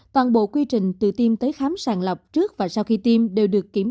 toàn bộ quy trình từ tiêm tới khám sàng lọc trước và sau khi tiêm